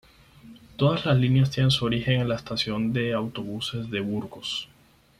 Todas las líneas tienen su origen en la Estación de Autobuses de Burgos.